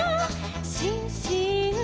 「しんしん」「」